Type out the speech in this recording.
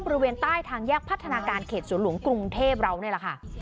บริเวณใต้ทางแยกพัฒนาการเขตสวนหลวงกรุงเทพเรานี่แหละค่ะ